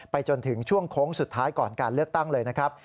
จนถึงช่วงโค้งสุดท้ายก่อนการเลือกตั้งเลยนะครับ